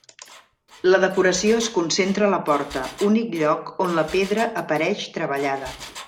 La decoració es concentra a la porta, únic lloc on la pedra apareix treballada.